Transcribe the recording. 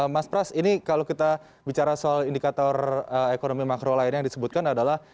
mas pras ini kalau kita bicara soal indikator ekonomi makro lainnya yang disebutkan adalah